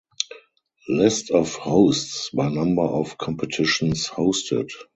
List of hosts by number of competitions hosted.